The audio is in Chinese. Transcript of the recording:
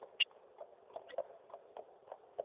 她被中国著名京剧艺术家马连良收为女弟子。